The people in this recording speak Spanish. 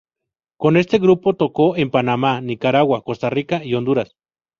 Con este grupo tocó en Panamá, Nicaragua, Costa Rica, y Honduras.